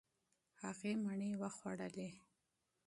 هغې مڼې وخوړلې.